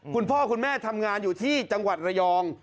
คุณพ่อคุณแม่ทำงานอยู่ที่จังหวัดระยอง